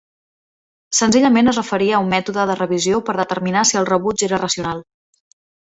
Senzillament es referia a un mètode de revisió per determinar si el rebuig era racional.